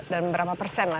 dan berapa persen lah